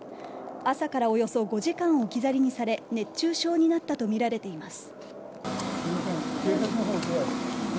朝からおよそ５時間置き去りにされ、熱中症になったと見られています。